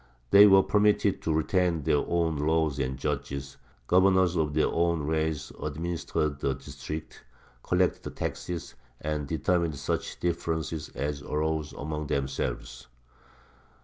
They were permitted to retain their own laws and judges; governors of their own race administered the districts, collected the taxes, and determined such differences as arose amongst themselves.